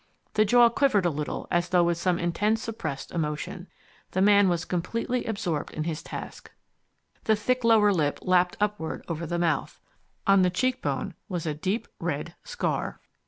The jaw quivered a little as though with some intense suppressed emotion. The man was completely absorbed in his task. The thick lower lip lapped upward over the mouth. On the cheekbone was a deep red scar.